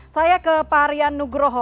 saya ke pak rian nugroho